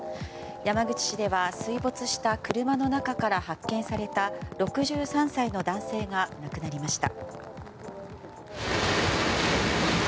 山口市では水没した車の中から発見された６３歳の男性が亡くなりました。